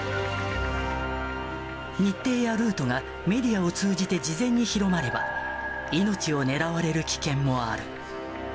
日程やルートがメディアを通じて事前に広まれば、命を狙われる危険もある。